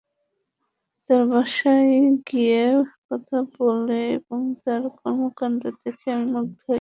তাঁর বাসায় গিয়ে কথা বলে এবং তাঁর কর্মকাণ্ড দেখে আমি মুগ্ধ হই।